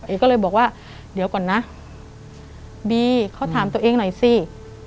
ก็เลยบอกว่าเดี๋ยวก่อนนะบีเขาถามตัวเองหน่อยสิ